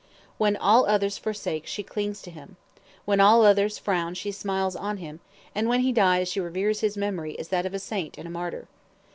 When all others forsake she clings to him, when all others frown she smiles on him, and when he dies she reveres his memory as that of a saint and a martyr.